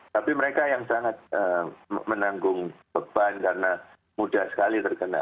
tapi mereka yang sangat menanggung beban karena mudah sekali terkena